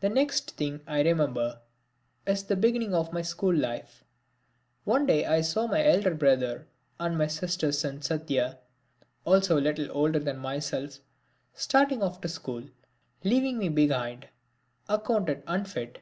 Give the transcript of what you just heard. The next thing I remember is the beginning of my school life. One day I saw my elder brother, and my sister's son Satya, also a little older than myself, starting off to school, leaving me behind, accounted unfit.